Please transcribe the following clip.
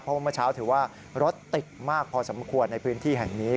เพราะว่าเมื่อเช้าถือว่ารถติดมากพอสมควรในพื้นที่แห่งนี้